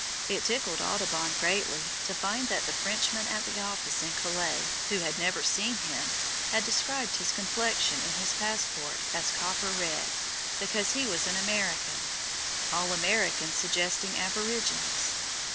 It tickled Audubon greatly to find that the Frenchman at the office in Calais, who had never seen him, had described his complexion in his passport as copper red, because he was an American, all Americans suggesting aborigines.